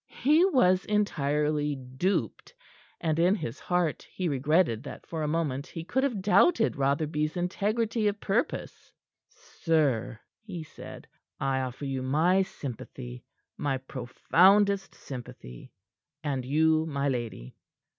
He was entirely duped, and in his heart he regretted that for a moment he could have doubted Rotherby's integrity of purpose. "Sir," he said, "I offer you my sympathy my profoundest sympathy; and you, my lady.